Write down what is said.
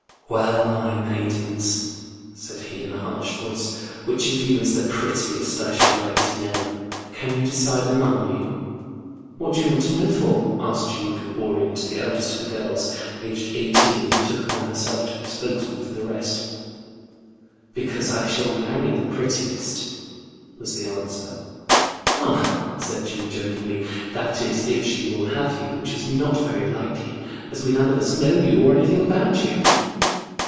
"Well, my maidens," said he in a harsh voice, *^ which of you is the prettiest, I should like to know ; can you decide among you ?"" What do you want to know for ?" asked Jeanne 88 THE BOOK OF WEEE WOLVES. Oaboriant, the eldest of the girls, aged eighteen, who took upon herself to be spokesman for the rest. '^ Because I shall marry the prettiest/' was the answer. " Ah !" said Jeanne jokingly ;" that is if she will have you, which is not very likely, as we none of ub know you, or anything about you."